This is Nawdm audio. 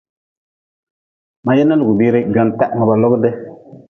Ma yena lugʼbire gwantah ma ba logi de.